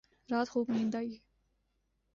رات خوب نیند آئی